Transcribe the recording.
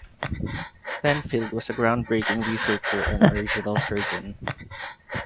Penfield was a groundbreaking researcher and original surgeon.